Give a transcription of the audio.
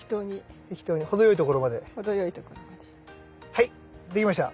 はいできました。